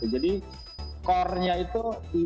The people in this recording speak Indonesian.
jadi core nya itu